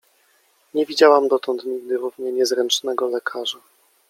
Nie widziałam dotąd nigdy równie niezręcznego lekarza.